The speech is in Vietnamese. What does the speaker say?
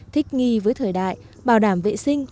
thích nghi với thời đại bảo đảm vệ sinh